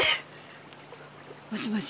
もしもし。